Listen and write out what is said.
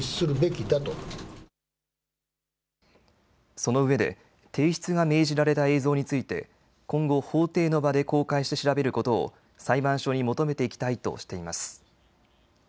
そのうえで提出が命じられた映像について今後、法廷の場で公開して調べることを裁判所に求めていきたいとしています。